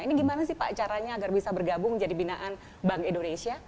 ini gimana sih pak caranya agar bisa bergabung menjadi binaan bank indonesia